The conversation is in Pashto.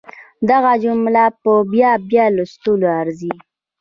دغه جمله په بيا بيا لوستلو ارزي.